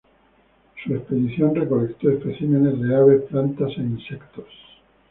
Su expedición recolectó especímenes de aves, plantas e insectos.